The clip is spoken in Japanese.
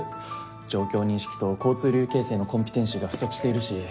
状況認識と交通流形成のコンピテンシーが不足しているし。